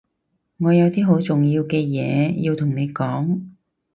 我有啲好重要嘅嘢要同你講